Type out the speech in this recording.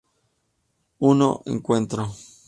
I Encuentro.